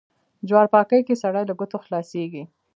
جوار پاکي کې سړی له گوتو خلاصوي.